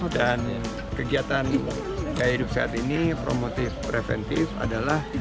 dan kegiatan kaya hidup sehat ini promotif preventif adalah